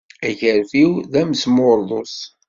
Agarfiw d amesmurḍus.